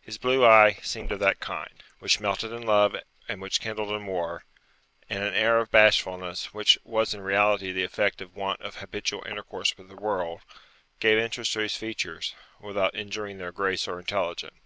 His blue eye seemed of that kind, Which melted in love, and which kindled in war; and an air of bashfulness, which was in reality the effect of want of habitual intercourse with the world, gave interest to his features, without injuring their grace or intelligence.